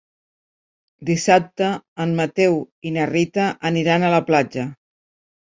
Dissabte en Mateu i na Rita aniran a la platja.